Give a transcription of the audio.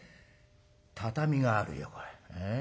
畳があるよこれ。